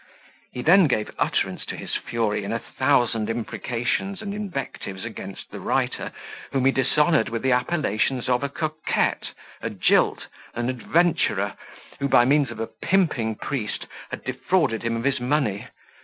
He then gave utterance to his fury in a thousand imprecations and invectives against the writer, whom he dishonoured with the appellations of a coquette, a jilt, an adventurer, who, by means of a pimping priest, had defrauded him of his money.